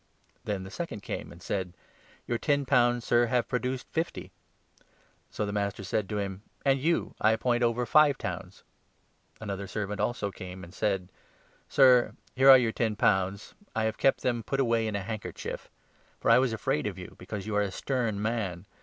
When the second came, he said 18 'Your ten pounds, Sir, have produced fifty.' So the master 19 said to him 'And you I appoint over five towns.' Another 20 servant also came and said ' Sir, here are your ten pounds ; I have kept them put away in a handkerchief. For I was afraid 21 of you, because you are a stern man.